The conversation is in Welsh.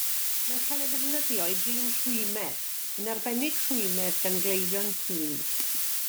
Mae'n cael ei ddefnyddio i drin rhwymedd, yn arbennig rhwymedd gan gleifion hŷn.